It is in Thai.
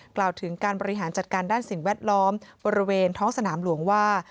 กล่าวถึงการบริหารจัดการด้านสิ่งแวดล้อมบริเวณท้องสนามหลวงว่า